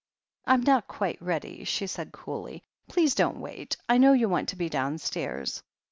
"I'm not quite ready," she said coolly. "Please don't wait — I know you want/to be downstairs."